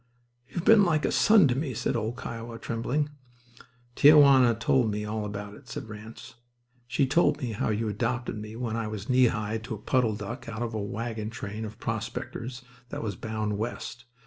"You've been like a son to me," said old "Kiowa," trembling. "Tia Juana told me all about it," said Ranse. "She told me how you adopted me when I was knee high to a puddle duck out of a wagon train of prospectors that was bound West.